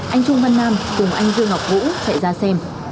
anh trung văn nam cùng anh dương ngọc vũ chạy ra xem